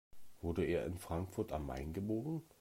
Wurde er in Frankfurt am Main geboren?